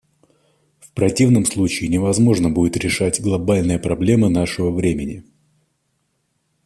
В противном случае, невозможно будет решать глобальные проблемы нашего времени.